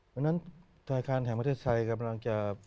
วันนั้นธนาคารแห่งประเทศไทยกำลังจะ